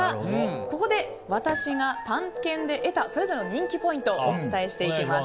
ここで私が探検で得たそれぞれの人気ポイントをお伝えしていきます。